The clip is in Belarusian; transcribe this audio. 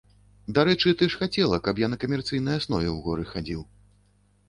Дарэчы, ты ж хацела, каб я на камерцыйнай аснове ў горы хадзіў.